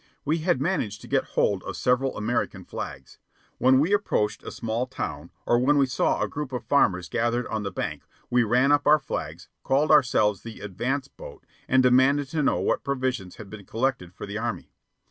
We had managed to get hold of several American flags. When we approached a small town, or when we saw a group of farmers gathered on the bank, we ran up our flags, called ourselves the "advance boat," and demanded to know what provisions had been collected for the Army.